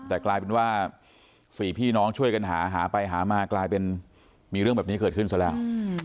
แต่กลายเป็นว่า๔พี่น้องช่วยกันหาหาไปหามากลายเป็นมีเรื่องแบบนี้เกิดขึ้นซะแล้ว